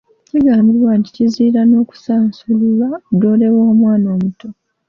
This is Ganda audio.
Kigambibwa nti kizira n'okusansulula ddole w'omwana omuto.